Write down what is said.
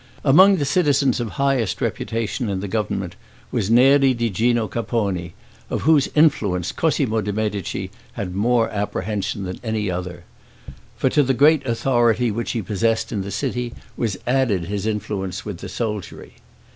Among the citizens of highest reputation in the government, was Neri di Gino Capponi, of whose influence Cosmo de' Medici had more apprehension than any other; for to the great authority which he possessed in the city was added his influence with the soldiery.